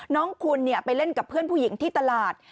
น้องคุณไปเล่นกับเพื่อนผู้หญิงที่ตลาด